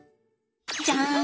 じゃん！